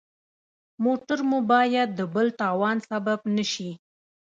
موټر مو باید د بل تاوان سبب نه شي.